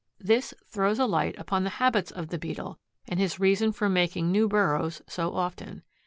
This throws a light upon the habits of the Beetle and his reason for making new burrows so often.